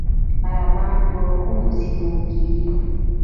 عربان په کومو سیمو کې دي؟